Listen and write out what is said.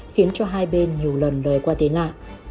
khiến cho hai bên nhiều lần lời qua tên lạ